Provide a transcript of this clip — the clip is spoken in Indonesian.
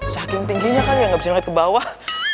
saking tingginya ah nggak bisa naik ke bawah